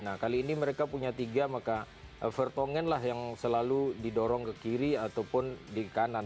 nah kali ini mereka punya tiga centre back maka vertonghen yang selalu didorong ke kiri ataupun ke kanan